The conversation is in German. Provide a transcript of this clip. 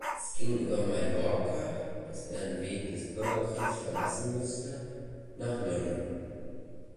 Es ging über Mallorca, das er dann wegen des Bürgerkriegs verlassen musste, nach London.